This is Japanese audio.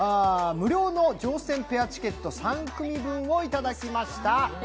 無料の乗船ペアチケット３組分をいただきました。